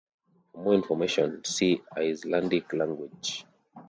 For more information, see Icelandic language.